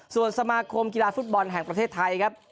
ส่วนสมาคมกีฬาฟุตบอลแห่งประเทศไทยครับ